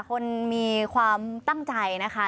คนมีความตั้งใจนะคะ